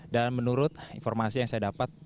dan menurut informasi yang saya dapat